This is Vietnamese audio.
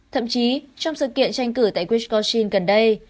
thậm chí trong sự kiện tranh cử tại wiscochin gần đây